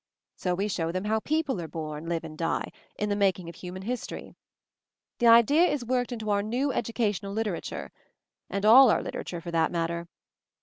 So we show them how people are horn, live and die, in the making of human history. The idea is worked into our new educational literature — and all our literature for that matter.